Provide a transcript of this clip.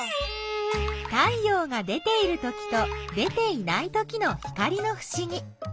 太陽が出ているときと出ていないときの光のふしぎ。